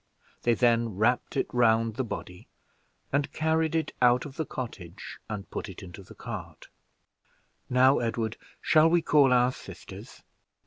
They then wrapped it round the body, and carried it out of the cottage, and put it into the cart. "Now, Edward, shall we call our sisters?"